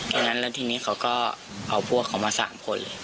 อย่างนั้นแล้วทีนี้เขาก็เอาพวกเขามา๓คนเลย